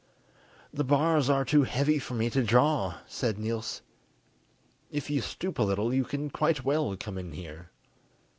"The bars are too heavy for me to draw," said Niels; "if you stoop a little you can quite well come in here."